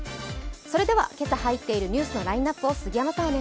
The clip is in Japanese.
それでは今朝入っているニュースのラインナップです。